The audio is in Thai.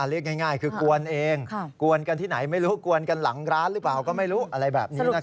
เรียกง่ายคือกวนเองกวนกันที่ไหนไม่รู้กวนกันหลังร้านหรือเปล่าก็ไม่รู้อะไรแบบนี้